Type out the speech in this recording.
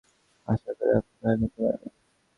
আশা করি আপনি মানিয়ে নিতে পারবেন।